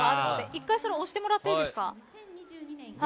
１回押してもらっていいですか？